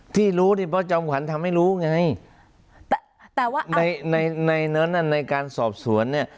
ที่รู้นี่เพราะจอมขวัญทำให้รู้ไงแต่แต่ว่าในในนั้นในการสอบสวนเนี่ย